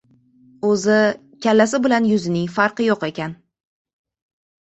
O‘zi, kallasi bilan yuzining farqi yo‘q ekan...